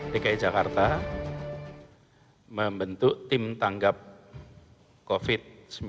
dki jakarta membentuk tim tanggap covid sembilan belas